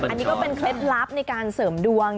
อันนี้ก็เป็นเคล็ดลับในการเสริมดวง